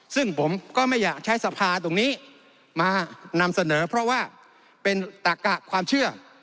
ซึ่งผมก็ไม่อยากใช้สภาตรงนี้มานำเสนอเพราะว่าเป็นตักกะความเชื่อ